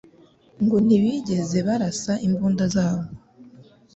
ngo ntibigeze barasa imbunda zabo.